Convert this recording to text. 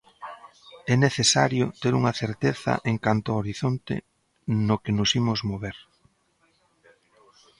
É necesario ter unha certeza en canto ao horizonte no que nos imos mover.